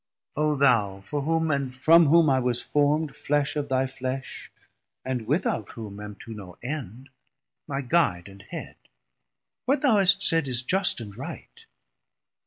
O thou for whom 440 And from whom I was formd flesh of thy flesh, And without whom am to no end, my Guide And Head, what thou hast said is just and right.